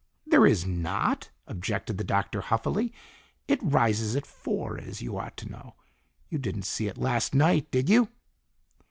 "There is not!" objected the Doctor huffily. "It rises at four, as you ought to know. You didn't see it last night, did you?"